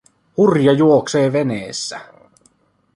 Hurja juoksee veneessä.